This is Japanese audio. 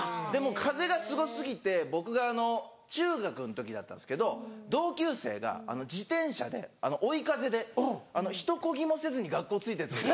風がすご過ぎて僕が中学の時だったんですけど同級生が自転車で追い風でひとこぎもせずに学校着いたヤツがいる。